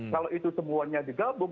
kalau itu semuanya digabung